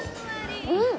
うん！